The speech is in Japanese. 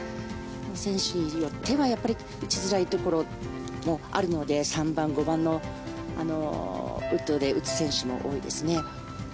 選手によっては打ちづらいところもあるので３番、５番のウッドで打つ選手も多いですね。